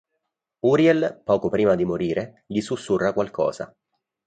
Uriel, poco prima di morire, gli sussurra qualcosa.